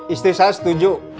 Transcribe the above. istri saya setuju